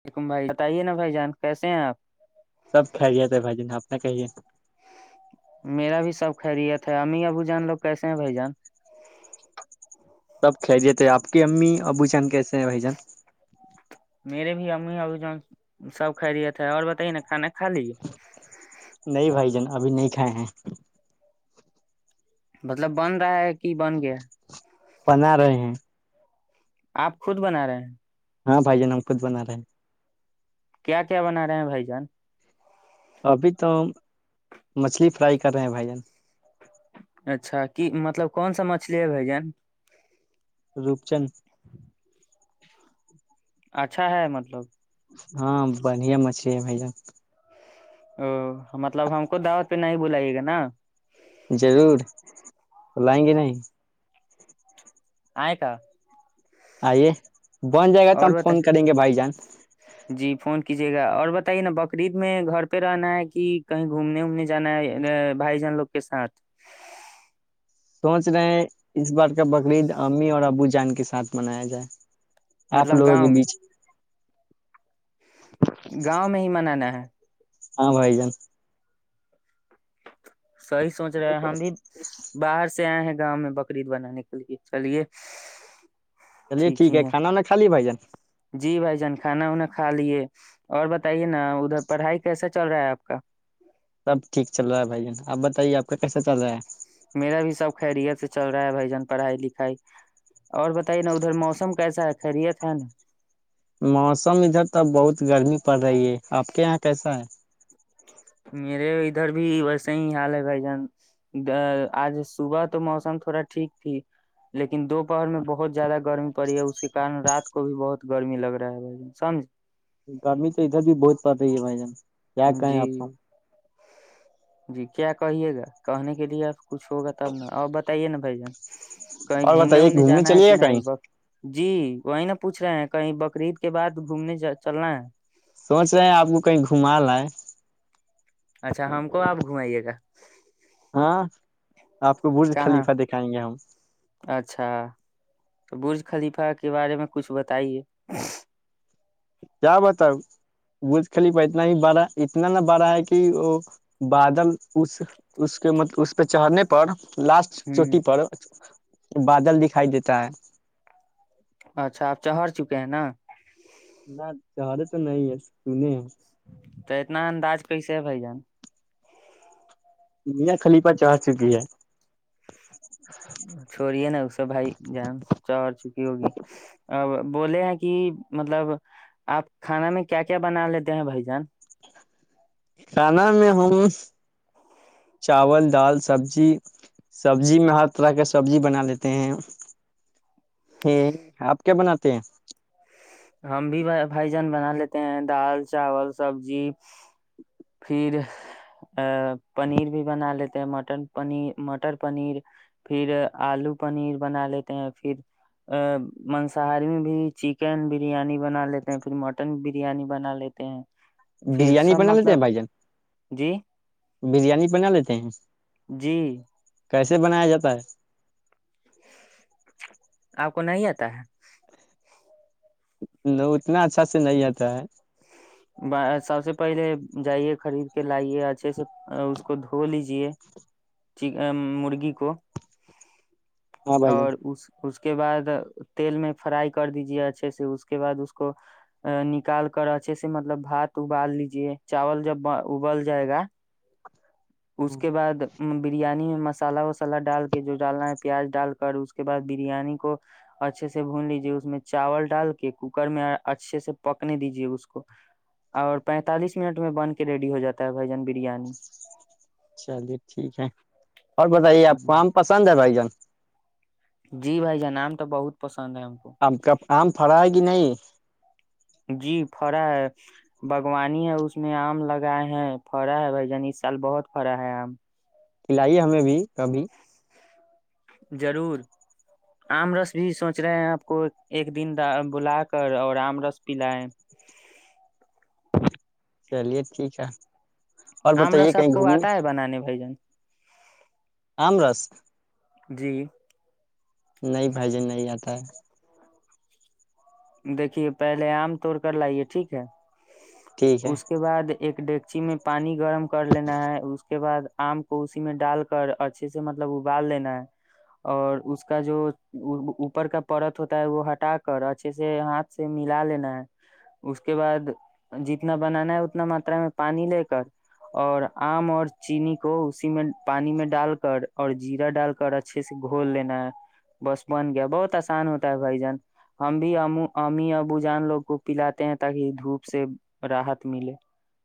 وعلیکم بھائی بتائیے نا بھائی جان کیسے ہیں آپ سب کھہ لیا تھ بھج نے اپپ نہ کہیے میرا بھی سب خیریت امی ابو جان لوگ کیسے ہیں بھائی جان خیریت ہے اپ کی امی ابو جان کیسے [unintelligible] میرے بھی امی اور اب جو سب کھ رہیا تھا اور بتائیے نا کھانا خالی نہیں بھائی جان ابھی نہیں کھائے ہیں مطلب بن رہا ہے کہ بن گیا بنا رہے ہیں آپ خود بنا رہے ہیں ہاں بائی جے نمفوت بن رہے ہے کیا کیا بنا رہے ہیں بھائی جان ابھی تو ہم مچھلی فرائی کر رہے ہیں بھائی جان اچھا کہ مطلب کون سا مچھلی ہے گن روپچند اچھا ہے مطلب ہاں بڑھیا مچھلی ہے بھیا او مطلب ہم کو دعوت پہ نہیں بلائیے گا نا ضرور تو لائیں گے نہیں آئے کا آئیے بن جائے گا تو ہم اور بت فون کریں گے بھائی جان جی فون کیجیے گا اور بتائیے نا بکرریید میں گھر پہ رہنا ہے کہ کہیں گھومنے وومنے جانا ہے بھائی جان لوگ کے ساتھ سوچ رہے ہیں اس بار کا بقرعید امی اور ابو جان کے ساتھ منایا جائے آپ مطلب لوگوں گاؤں کے میں بیچ گاؤں میں ہی منانا ہے ہاں بھائی جان صحیح سوچ رہے ہم بھی باہر سے آئے ہیں گا میں بکرریید بنانے کے لیے چلیے چلیے ٹھیک ہی ہے کھانا وانا کھا لی بھائی جان جی بھائی جان کھانا وانا کھا لیے اور بت بتے نا ادھر پڑھائی کیسا چل رہا ہے آپ کا سب ٹھیک چل رہا ہے بھائی جان آپ بتائیے آپ کا کیسا چل رہا ہے میرا بھی سب خیریت سے چل رہا ہے بھائی جان پڑھائی لکھائی اور بتائیے نا ادھر موسم کیسا ہے خیریت ہے نا موسم ادھر تو بہت گرمی پڑ رہی ہے آپ کے یہاں کیسا ہے میرے ادھر بھی ویسے ہی حال ہے بھائی جان آج صبح تو موسم تھوڑا ٹھیک تھی لیکن دوپہر میں بہت زیادہ گرمی پڑی ہے اس کے کن رات کو بھی بہت گرمی لگ رہا ہے بھائی جان سمجھ گرمی تو ادھر بھی بہت پڑ رہی ہے بھائی جان کیا کہیں آپ جی کو جی کیا کہیے گا کہنے کے لیے آپ کو کچھ ہوگا تب ن ا بتائیے نا بھائی جن کہیں اور گھومنے بتائیے وومنے جانا ہے چلیے کہ گا نہیں کہیں ب جی وہی نہا پوچھ رہے ہیں کہیں بقرعید کے بعد گھومنے چلنا ہے سوچ رہے ہیں آپ کو کہیں گھم لا ہے اچھا ہم کو آپ گھمائیے گا ہاں آپ کو برج کہاں خلیفہ دکھائیں گے ہم اچھا تو برج خلیفہ کے بارے میں کچھ بتائیے کیا بتا بوج خلی پہ اتنا ہی بڑا اتنا نہ بڑا ہے کہ وہ بادل اس اس کے مطلب اس پہ چڑھنے پر لاسٹ ہ چوٹی پر بادل دکھائی دیتا ہے اچھا آپ چڑھر چکے ہیں نا نہ چہارے تو نہیں ہے سنے ہیں تو اتنا انداز پیسے ہے بھائی جان میا خلیفا چا چکی ہے چھوڑی ہے نا اس سے بھائی جان چا اور چھپی ہوگی اب بولے ہیں کہ مطلب آپ کھانا میں کیا کیا بنا لیتے ہیں بھائی جان کھانا میں ہم چاول دال سبزی سبزی میں ہر طرح کا سبزی بنا لیتے ہیں یہ آپ کیا بناتے ہیں ہم بھی بھجن بنا لیتے ہیں دال چاول سبزی پھر پنیر بھی بنا لیتے ہیں مٹر پیر مٹر پنیر پھر آلو پنیر بنا لیتے ہیں پھر ا منصاری میں بھی چکن بھی بریانی بنا لیتے ہیں پھر مٹن بریانی بنا لیتے ہیں پھر برییاانی سب بنا لیتے مطلب ہیں بھائی جان جی بریانی بنا لیتے ہیں جی کیسے بنایا جاتا ہے آپ کو نہیں آتا ہے ل اتنا اچھا سے نہیں آتا ہے سب سے پہلے جائیے خرید کے لائیے اچھے سے اس کو دھو لیجے مرغی کو ہاں بھائی جان اور اس اس کے بعد تیل میں فرائی کر دیجے اچھے سے اس کے بعد اس کو نکال کر اچھے سے مطلب بھات ابال لیجے چاول جب ابل جائے گا اس ہاں کے بعد بریانی میں مسالہ وسالہ ڈال کے جو ڈالنا ہے پیاز ڈال کر اس کے بعد بریانی کو اچھے سے بھون لیجے اس میں چاول ڈال کے کوکر میں اچھے سے پکنے دیجے اس کو اور پینتالیس منٹ میں بن کے ریڈی ہو جاتا ہے بھائی جان بریانی چلیے ٹھیک ہے اور بتائیے آپ کو آم پسند ہے بھائی جان جی بھائی جان نام تو بہت پسند ہے ہم کو آ کا آم فڑا ہے کہ نہیں [inaudible] جی فرا ہے باغوانی ہے اس میں آم لگائے ہیں پڑا ہے بھ جان اس سال بہت فڑا ہے آم کھلائیے ہمیں بھی کبھی ضرور آم رس بھی سوچ رہے ہیں آپ کو ایک دن بلا کر اور آم رس پلائے چلیے ٹھیک ہے اور آمرا بتائیے سب کو آتا ہے بنانے بھجن آمرس جی نہیں بھائی جن نہیں آتا ہے دیکھیے پہلے آم توڑ کر لائیے ٹھیک ہے ٹھیک ہے اس کے بعد ایک ڈیکچی میں پانی گرم کر لینا ہے اس کے بعد آم کو اسی میں ڈال کر اچھے سے مطلب ابال لینا ہے اور اس کا جو اوپر کا پرت ہوتا ہے وہ ہٹا کر اچھے سے ہاتھ سے ملا لینا ہے اس کے بعد جتنا بنانا ہے اتنا ماترا میں پانی لے کر اور آم اور چینی کو اسی میں پانی میں ڈال کر اور جیرہ ڈال کر اچھے سے گھول لینا ہے بس بن گیا بہت آسان ہوتا ہے بھائی جان ہم بھی امی ابو جان لوگ کو پلاتے ہیں تاکہ دھوپ سے راحت ملے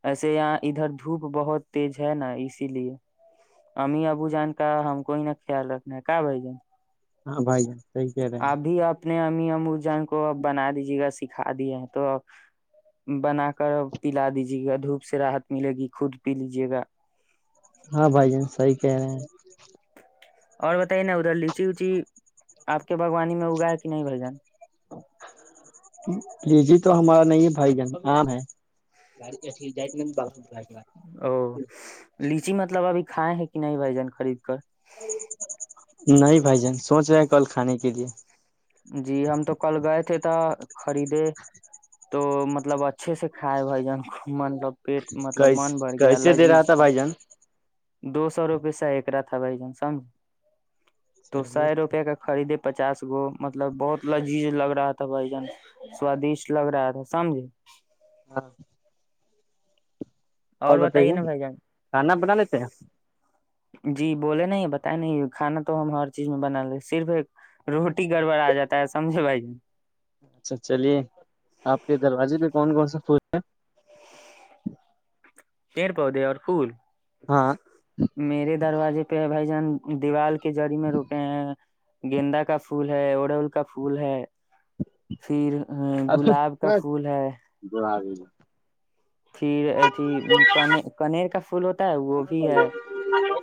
ایسے یہاں ادھر دھوپ بہت تیز ہے نا اسی لیے امی ابو جان کا ہم کوئی نہ خیال رکھنا ہے کیا بھ جن ہاں بھائی جان صحیح کہہ رہے ہیں ابھی آپ نے ام م کو ا بنا دیجے گا سکھا دیا ہے تو بنا کر پلا دیجے گا دھوپ سے رحت ملے گی خود پی لیجیے گا ہاں بھائی جن سی کہہ رہے ہیں اور بتائیے نا ادھر لچی وچی آپ کے باغوانی میں اگا ہے کہ نہیں بھائی جان لی جی تو ہمارا نہیں ہے بھائی جانام ہے او ل چی مطلب ابھیھائے ہیں کہ نہیں بھجن خرید کر نہیں بھائی جان سوچ رہے کل کھانے کے لیے جی ہم تو کل گئے تھے تو خریدے تو مطلب اچھے سے کھائے بھائی جان مطلب پیٹ مطلب کیس من بڑھ گیا کیسے دے رہا لذیذ تھا بھائی جان دو سو روپے سے ا ایک را تھا بھائی جان سمجھ تو چلیے سو روپے کا خریدے پچاس گو مطلب بہت لذیذ لگ رہا تھا بھجن سوادشٹ لگ رہا تھا سمجھے [unintelligible] اور نا بتائیے بھائی جان کھانا بنا لیتے ہیں جی بولے نہیں بتائے نہیں کھانا تو ہم ہر چیز میں بنا لیں صرف ایک روٹی گڑبڑ آ جاتا ہے سمجھے بھائی ج اچھا چلیے آپ کے دروازے پ کون کون سا پھول ہے پیڑ پودے اور پھول ہاں میرے دروازے پہ ہے بھائی جان دیوال کے کے جااری میں روکے ہیں گیندا کا پھول ہے اڑول کا پھول ہے پھر ہ گلاب کا پھول ہے پھر اھی ک کنیر کا پھول ہوتا ہے وہ بھی ہے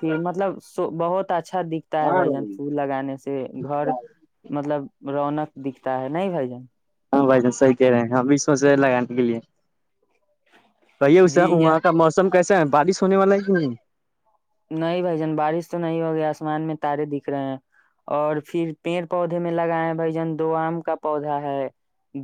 پھر مطلب سو بہت اچھا دکھتا ہے بھ جن پھول لگانے سے گھر مطلب رونق دکھتا ہے نہیں بھ جن صحی کہہ رہے ہیں ہمب بھی سوچ رہے ہیں لگانے کے لیے کہیے جی اسے یہ وہاں کا موسم کیسا ہے بارش ہونے والا ہے کہ نہیں نہیں بھ جن بارش تو نہیں ہو گئی آسمان میں تارے دکھ رہے ہیں اور پھر پیڑ پودے میں لگائے بھ جن دو آم کا پودا ہے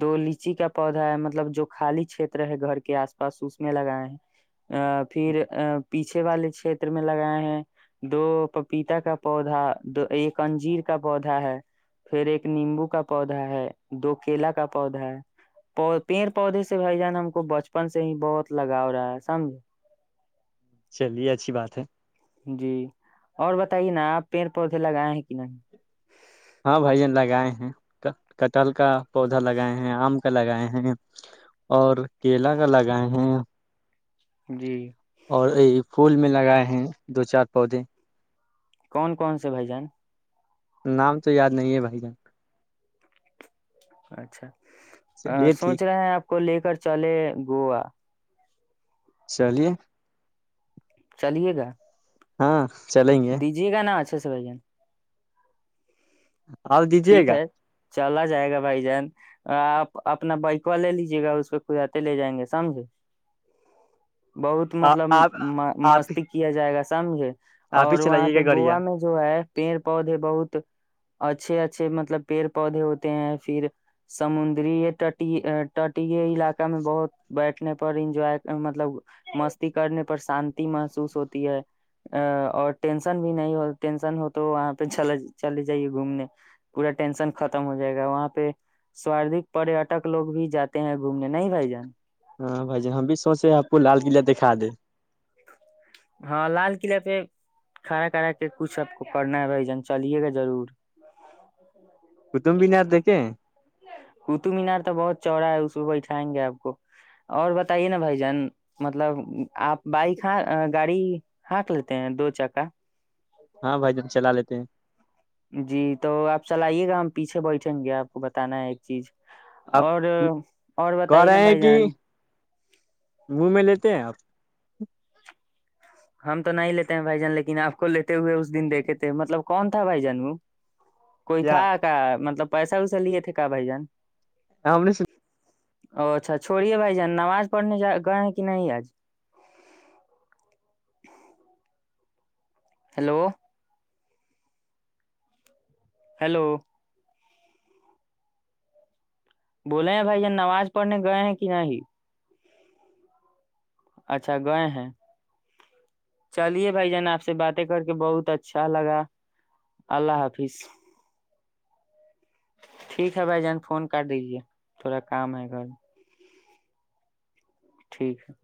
دو لیچی کا پودا ہے مطلب جو خالی چھیت ہے گھر کے آس پاس اس میں لگائے ہیں ا پھر ا پیھے والے چھیت چر میں لگائے ہیں دو پپیتا کا پودا دو ایک انجیر کا پودا ہے پھر ایک نیمبو کا پودا ہے دو کیلا کا پودا ہے پیڑ پودے سے بھائی جان ہم کو بچپن سے ہی بہت لگاؤ رہا ہے سمجھ چلیےچا جی اور بتائیے نا آپ پیڑ پودے لگائے ہیں کہ نہیں ہاں بھائی لگائے ہیں کٹل کا پودا لگائے ہیں آم کا لگائے ہیں اور کیلا کا لگائے ہیں جی اور یہ پھول میں لگائے ہیں دو چار پودے کون کون سے بھائیجن نام تو یاد نہیں ہے بھائی جان اچھا چلیے ٹھیک سوچ رہے ہیں آپ کو لے کر چلے گووا چلیے چلیے گا ہاں چلیں گے دیجیے گا نا اچھا سے بھ جن آؤ دیجیے ٹھیک گا ہے چلا جائے گا بھائی جان آپ اپنا بائکوا لے لیجیے گا اس پہ کدے لے جائیں گے سمجھے بہت مطلب آپ آپ مست کیا جائے گا تمحے آپ ہی اور وہاں چلائیے پہ گا گڑیا گووا میں جو ہے پیڑ پودے بہت اچھا اچ اچھے مطلب پیڑ پودے ہوتے ہیں پھر سمندریٹی ٹی علاقہ میں بہت بیٹھنے پر انجوائے مطلب مستی کرنے پر شانتی محسوس ہوتی ہے ا اور ٹینسن بھی نہیں ہو ٹینسن ہو تو وہاں پہ چلے جائیے گھومنے پورا ٹینشن ختم ہو جائے گا وہاں پہ سود پریٹک لوگ بھی جاتے ہیں گھومنے نہیں بھائی جان کھاد ہاں لال قلعہ پہ کھڑا کھڑا کے کچھ سب کو کرنا رہی جان چلیے گا ضرور کطبینات دیک کہیں قطب مینار تو بہت چورا ہے اس بٹھائیں گے آپ کو اور بتائیے نا بھائی جان مطلب آپ بائک ہ گاڑی ہانٹ لیتے ہیں دو چکا ہاں بھائی ج ہم چلا لیتے ہیں جی تو آپ چلئیے گا ہم پیچھے بیٹھیں گے آپ کو بتانا ہے ایک چیز آپ اور اور کہ بتائیے نا رہے ہیں بھائی کہ جان م میں لیتے ہیں آپ [unintelligible] ہم تو نہیں لیتے ہیں بھائی جان لیکن آپ کو لیتے ہوئے اس دن دیکے تھے مطلب کون تھا بائی جانوں کوئی کیا تھا کا مطلب پیسہ ویسا لیے تھے کہ بھائی جان ہاں ہم س او اچھا چھوڑیے بھائی جان نماز پڑھنے ج گئے ہیں کہ نہیں آج ہیلو ہیلو بولے ہیں بھائی یہ نماز پڑھنے گئے ہیں کہ نہیں اچھا گئے ہیں چلیے بھائی جان آپ سے باتیں کر کے بہت اچھا لگا اللہ حافظ ٹھیک ہے بھائی جان فون کر دیجے تھوڑا کام ہے گھر ٹھیک ہے